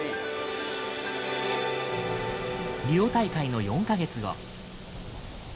リオ大会の４か月後。